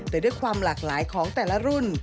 แต่ด้วยความหลากหลายของแต่ละรุ่น